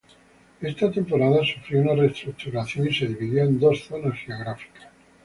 Esta temporada sufrió una reestructuración y se dividió en dos zonas geográficas.